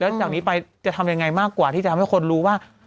แล้วจากนี้ไปจะทำยังไงมากกว่าที่จะทำให้คนรู้ว่า